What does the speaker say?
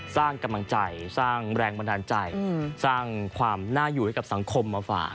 สร้างกำลังใจสร้างแรงบันดาลใจสร้างความน่าอยู่ให้กับสังคมมาฝาก